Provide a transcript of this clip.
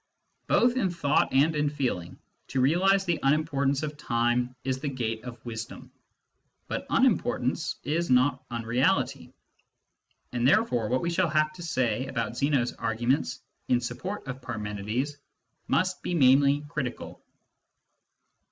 Both in thought and in feeling, to realise the unimportance of time is the gate of wisdom. But unimportance is not unreality ; and therefore what we shall have to say about Zeno's arguments in support of Parmenides must be mainly critical.